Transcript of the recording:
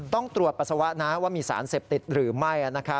ต้องตรวจปัสสาวะนะว่ามีสารเสพติดหรือไม่